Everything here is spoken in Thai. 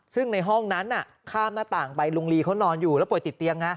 ซึ่งในห้องนั้นข้ามหน้าต่างไปลุงลีเขานอนอยู่แล้วป่วยติดเตียง